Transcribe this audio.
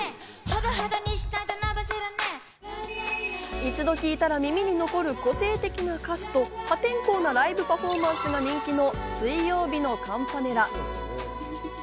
一度聴いたら、耳に残る個性的な歌詞と破天荒なライブパフォーマンスが人気の水曜日のカンパネラ。